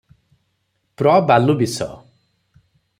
ପ୍ର - ବାଲୁବିଶ ।